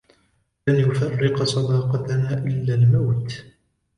لن يفرق صداقتنا إلا الموت